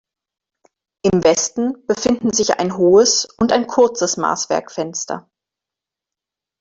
Im Westen befinden sich ein hohes und ein kurzes Maßwerkfenster.